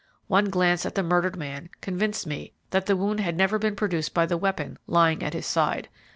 One glance at the murdered man convinced me that the wound had never been produced by the weapon lying at his side.